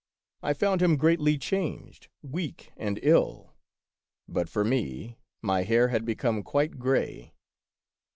I found him greatly changed, weak and ill; but for me — my hair had become quite gray!